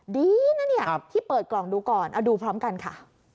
ดีนะเนี่ยที่เปิดกล่องดูก่อนเอาดูพร้อมกันค่ะ